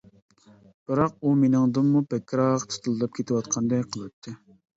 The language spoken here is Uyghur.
بىراق، ئۇ مېنىڭدىنمۇ بەكرەك تىتىلداپ كېتىۋاتقاندەك قىلاتتى.